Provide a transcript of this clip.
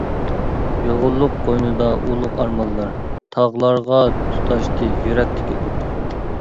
يۇلغۇنلۇق قوينىدا ئۇلۇغ ئارمانلار، تاغلارغا تۇتاشتى يۈرەكتىكى ئوت.